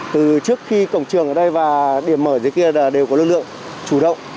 từ trước khi cổng trường ở đây và điểm mở dưới kia là đều có lực lượng chủ động